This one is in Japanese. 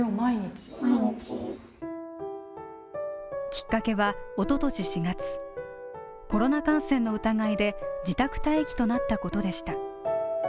きっかけはおととし４月、コロナ感染の疑いで自宅待機となったことでした。